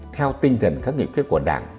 theo tinh dần các nghị quyết của đảng